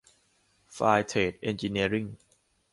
ไฟร์เทรดเอ็นจิเนียริ่ง